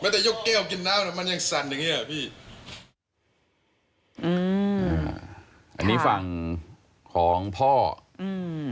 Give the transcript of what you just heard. ไม่แต่ยกแก้วกินน้ำน่ะมันยังสั่นอย่างเงี้ยพี่อืมอันนี้ฝั่งของพ่ออืม